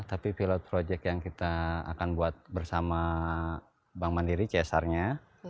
tapi pilot project yang kita akan buat bersama bank mandiri csr nya